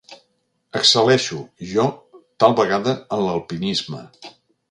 Excel·leixo, jo, tal vegada en l'alpinisme.